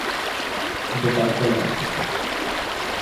De cartelas.